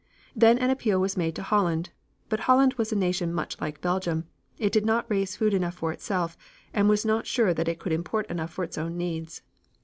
Then an appeal was made to Holland, but Holland was a nation much like Belgium. It did not raise food enough for itself, and was not sure that it could import enough for its own needs.